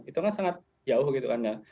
itu kan sangat jauh gitu kan ya